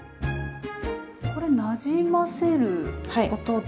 これなじませることで。